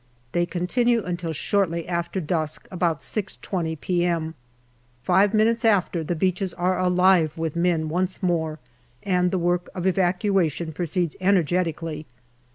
They continue until shortly after dusk about 6.20 p.m. Five minutes after, the beaches are alive with men once more, and the work of evacuation proceeds energetically.